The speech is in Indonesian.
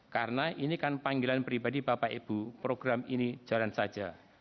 karena ini kan panggilan pribadi bapak ibu program ini jalan saja